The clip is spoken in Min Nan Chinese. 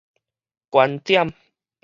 觀點